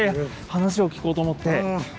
話を聞こうと思って。